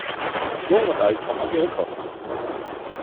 Jung und Alt kommen auf ihre Kosten.